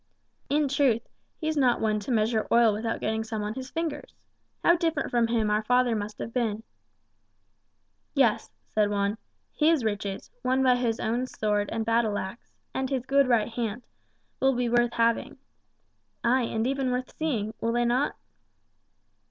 "In truth, he's not one to measure oil without getting some on his fingers. How different from him our father must have been." "Yes," said Juan. "His riches, won by his own sword and battle axe, and his good right hand, will be worth having. Ay, and even worth seeing; will they not?"